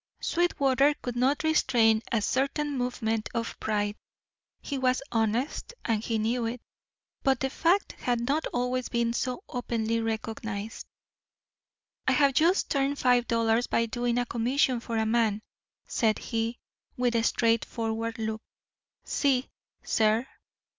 Sweetwater could not restrain a certain movement of pride. He was honest, and he knew it, but the fact had not always been so openly recognised. "I have just earned five dollars by doing a commission for a man," said he, with a straightforward look. "See, sir.